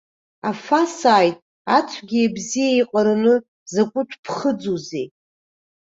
Афы асааит, ацәгьеи абзиеи еиҟараны закәытә ԥхыӡузеи.